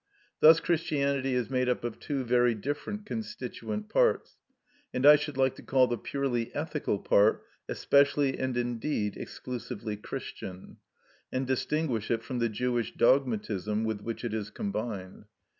Thus Christianity is made up of two very different constituent parts, and I should like to call the purely ethical part especially and indeed exclusively Christian, and distinguish it from the Jewish dogmatism with which it is combined.